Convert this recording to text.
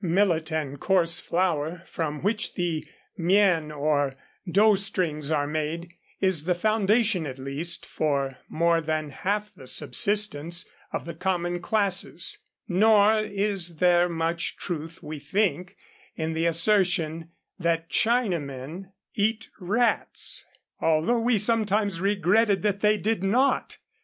Millet and coarse flour, from which the mien or dough strings are made, is the foundation, at least, for more than half the subsistence of the common classes. Nor is there much truth, we think, in the assertion that Chinamen 148 Across Asia on a Bicycle eat rats, although we sometimes regretted that they did not.